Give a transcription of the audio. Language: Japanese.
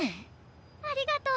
ありがとう！